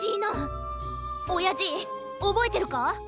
おやじおぼえてるか？